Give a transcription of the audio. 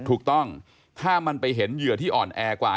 ถูกต้องถ้ามันไปเห็นเหยื่อที่อ่อนแอกว่า